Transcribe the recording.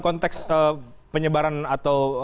konteks penyebaran atau